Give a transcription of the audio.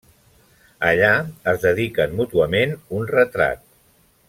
Allà, es dediquen mútuament un retrat.